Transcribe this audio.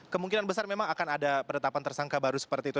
kemungkinan besar memang akan ada penetapan tersangka baru seperti itu